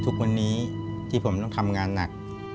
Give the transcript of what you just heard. ทุกวันนี้ที่ผมต้องทำงานหนัก